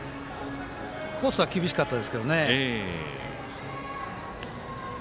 コースは厳しかったですけどね。